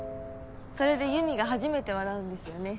それでユミが初めて笑うんですよね。